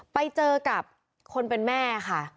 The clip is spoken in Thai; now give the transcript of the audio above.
ไปเจอกับคนเป็นแม่ค่ะ